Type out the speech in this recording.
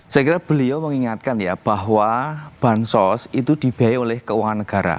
saya kira beliau mengingatkan ya bahwa bansos itu dibiayai oleh keuangan negara